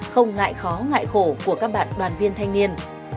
không ngại khó ngại khổ của các bạn đoàn viên thanh niên